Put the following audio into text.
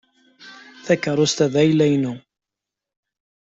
Takeṛṛust-a d ayla-inu.